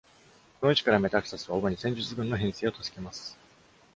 この位置から、メタクサスは主に戦術軍の編成を助けます。